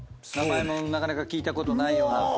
名前もなかなか聞いたことないような。